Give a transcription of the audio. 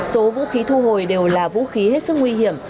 số vũ khí thu hồi đều là vũ khí hết sức nguy hiểm